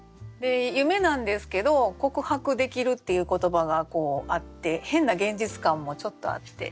夢なんですけど「告白できる」っていう言葉があって変な現実感もちょっとあって。